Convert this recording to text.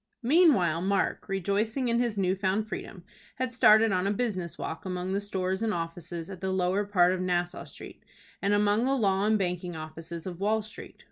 Meanwhile Mark, rejoicing in his new found freedom, had started on a business walk among the stores and offices at the lower part of Nassau Street, and among the law and banking offices of Wall Street.